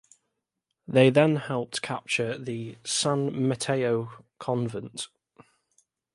They then helped capture the San Mateo Convent.